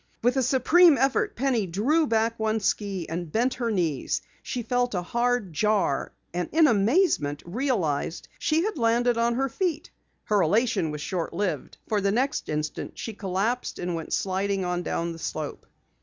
With a supreme effort Penny drew back one ski and bent her knees. She felt a hard jar, and in amazement realized that she had landed on her feet. Her elation was short lived, for the next instant she collapsed and went sliding on down the slope.